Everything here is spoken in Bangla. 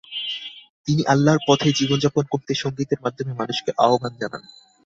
তিনি আল্লাহর পথে জীবন যাপন করতে সঙ্গীতের মাধ্যমে মানুষকে আহব্বান জানান।